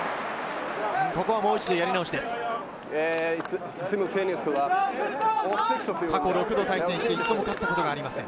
ここはもう一度やり直しです。